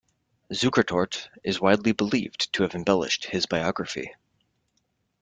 Zukertort is widely believed to have embellished his biography.